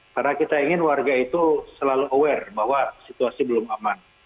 karena kita ingin warga itu selalu aware bahwa situasi belum aman